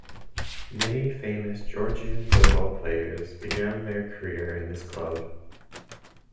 Many famous Georgian football players began their career in this club.